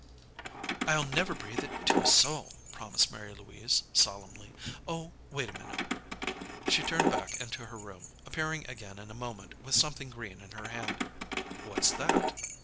"I'll never breathe it to a soul," promised Mary Louise, solemnly. "Oh, wait a minute." She turned back into her room, appearing again in a moment with something green in her hand. "What's that?"